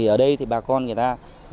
ở đây bà con người ta